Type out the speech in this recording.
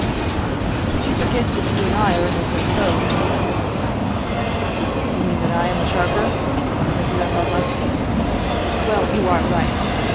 " But you forget that you and I are in the same boat." " You mean that I am a sharper, like you and Bod levski? Well, you are right.